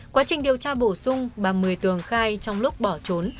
quá trình điều tra bổ sung ba mươi tường khai trong lúc bỏ trốn